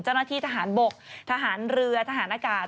เจ้าหน้าที่ทหารบกทหารเรือทหารอากาศ